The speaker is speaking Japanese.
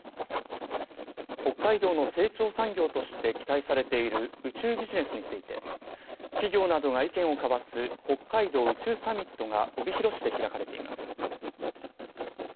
北海道の成長産業として期待されている宇宙ビジネスについて企業などが意見を交わす北海道宇宙サミットが帯広市で開かれています。